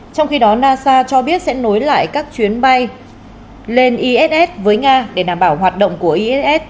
trong khi đó nasa cho biết sẽ nối lại các chuyến bay lên iss với nga để đảm bảo hoạt động của iss